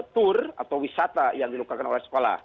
tur atau wisata yang dilakukan oleh sekolah